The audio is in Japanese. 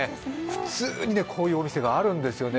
普通にこういうお店があるんですよね。